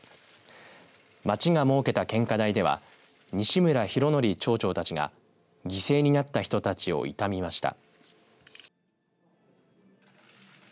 町が設けた献花台では西村博則町長たちが犠牲になった人たちを悼みました。